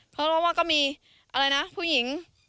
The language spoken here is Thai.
เพราะว่าก็มีอะไรนะผู้หญิง